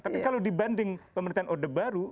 tapi kalau dibanding pemerintahan odebaru